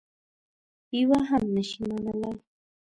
یوه هم نه شي منلای.